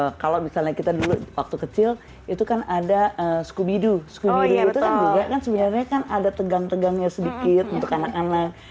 oh ya kalau misalnya kita dulu waktu kecil itu kan ada scooby doo scooby doo itu kan juga kan sebenarnya kan ada tegang tegangnya sedikit untuk anak anak